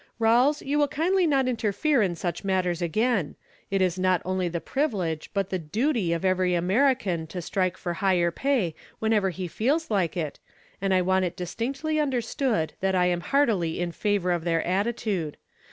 "Rawles, you will kindly not interfere in such matters again. It is not only the privilege, but the duty of every American to strike for higher pay whenever he feels like it, and I want it distinctly understood that I am heartily in favor of their attitude.